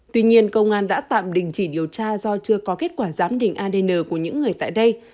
tuy nhiên công an đã tạm đình chỉ điều tra do chưa có kết quả giám định adn của những người tại đây